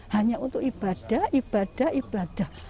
hanya untuk ibadah ibadah ibadah